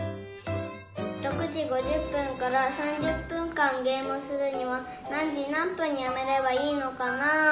６時５０分から３０分間ゲームをするには何時何分にやめればいいのかな？